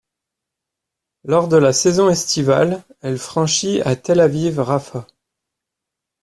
Lors de la saison estivale, elle franchit à Tel Aviv-Jaffa.